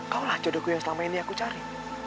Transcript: kaulah jodohku yang selama ini aku cari